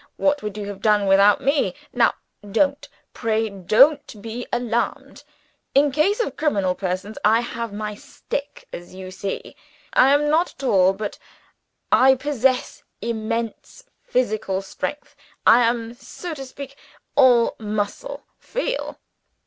What would you have done without me? Now don't, pray don't, be alarmed. In case of criminal persons I have my stick, as you see. I am not tall; but I possess immense physical strength. I am, so to speak, all muscle. Feel!"